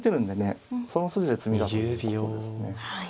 その筋で詰みだということですね。